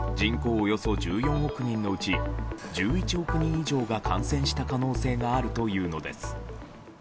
およそ１４億人のうち１１億人以上が感染した可能性があるというのです。